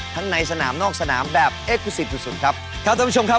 ทั้งในสนามและนอกสนามนะครับ